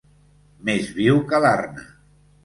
Més viu que l'arna.